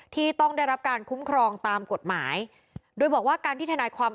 ที่ต้องได้รับการคุ้มครองตามกฎหมายโดยบอกว่าการที่ทนายความ